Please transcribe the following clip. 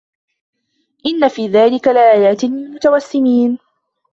إِنَّ فِي ذَلِكَ لَآيَاتٍ لِلْمُتَوَسِّمِينَ